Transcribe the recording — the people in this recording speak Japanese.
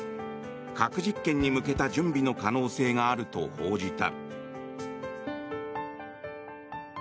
核実験に向けた準備の可能性があると報じた。